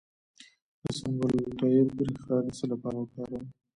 د سنبل الطیب ریښه د څه لپاره وکاروم؟